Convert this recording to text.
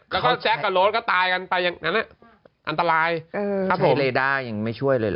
แล้วก็แซ็กกับรถก็ตายกันไปอย่างนั้นอันตรายถ้าไปเลด้ายังไม่ช่วยเลยเห